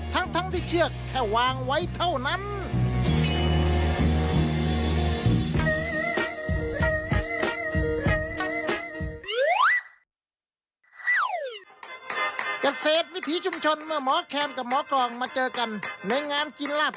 ทั้งที่เชือกแค่วางไว้เท่านั้น